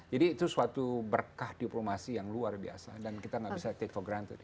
jadi itu suatu berkah diplomasi yang luar biasa dan kita nggak bisa take for granted